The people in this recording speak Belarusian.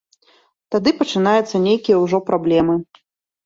Тады пачынаюцца нейкія ўжо праблемы.